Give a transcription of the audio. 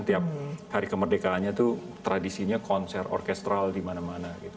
tiap hari kemerdekaannya itu tradisinya konser orkestral di mana mana